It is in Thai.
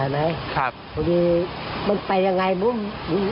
ทีนี้มันไปยังไง